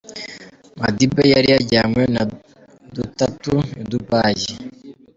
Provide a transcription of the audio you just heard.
Madiba yari yajyanywe na dutatu i Dubai